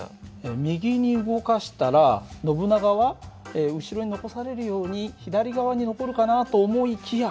右に動かしたらノブナガは後ろに残されるように左側に残るかなと思いきや